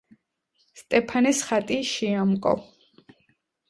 სტეფანეს ხატი შეამკო.